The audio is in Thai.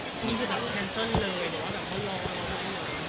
นี่คือแบบแพลนซ่อนเลยหรือว่าแบบเขาลองแพลนซ่อนเลย